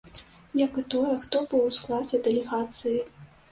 Як і тое, хто быў у складзе дэлегацыі.